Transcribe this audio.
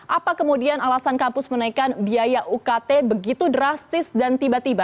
apa kemudian alasan kampus menaikkan biaya ukt begitu drastis dan tiba tiba